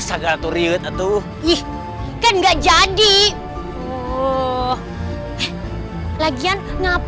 aku akan menganggap